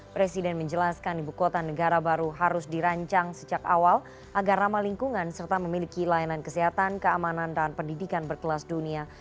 presiden menjelaskan ibu kota negara baru harus dirancang sejak awal agar ramah lingkungan serta memiliki layanan kesehatan keamanan dan pendidikan berkelas dunia